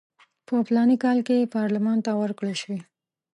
چې په فلاني کال کې پارلمان ته ورکړل شوي.